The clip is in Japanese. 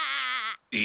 え？